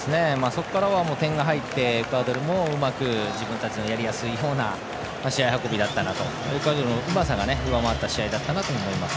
そこから点が入ってエクアドルもうまく自分たちのやりやすいような試合運びだったなというエクアドルのうまさが上回った試合だったなと思います。